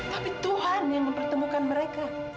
tapi tuhan yang mempertemukan mereka